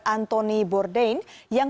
anthony bourdain yang